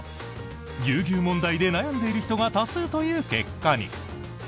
ぎゅうぎゅう問題で悩んでいる人が多数という結果に。